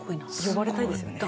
呼ばれたいですよね。